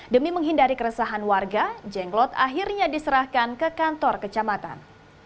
demi menghindari keresahan warga jenglot akhirnya diserahkan ke kantor kecamatan